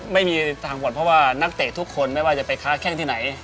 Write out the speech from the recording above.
ไม่มีทางผ่อนเพราะว่านักเตะทุกคนไม่ว่าจะไปค้าแข้งที่ไหน